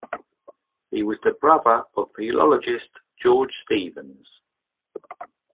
He was the brother of the philologist George Stephens.